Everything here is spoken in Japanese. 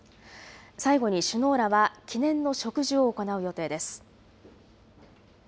最後に首脳らは、記念の植樹を行う予定です。